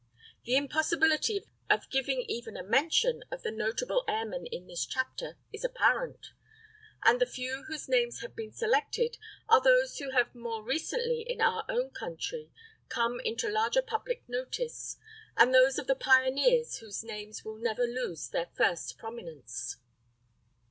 The impossibility of giving even a mention of the notable airmen in this chapter is apparent, and the few whose names have been selected are those who have more recently in our own country come into larger public notice, and those of the pioneers whose names will never lose their first prominence.